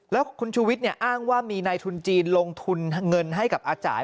แล้วคุณชูวิทย์อ้างว่ามีนายทุนจีนลงทุนเงินให้กับอาจ่าย